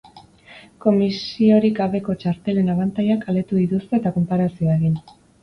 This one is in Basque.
Komisiorik gabeko txartelen abantailak aletu dituzte eta konparazioa egin.